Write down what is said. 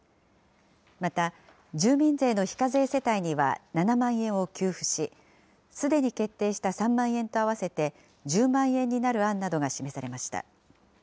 また、住民税の非課税世帯には７万円を給付し、すでに決定した３万円と合わせて１０万円になる案などが示されました。